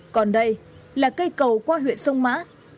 còn đây là cây cầu qua huyện sông mã